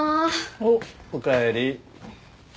おっおかえり。